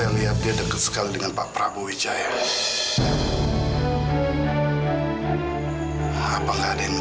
tapi susah banget man